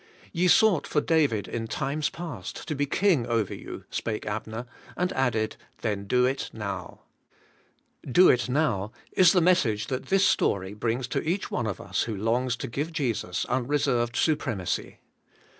'Ye sought for David in times past to be king over you,' spake Abner, and added, 'Then do it now.' Do it noiv is the message that this story brings to each one of us who longs to give Jesus unreserved suprem acy.